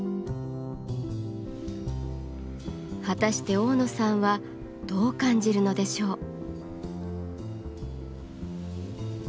果たして負野さんはどう感じるのでしょう？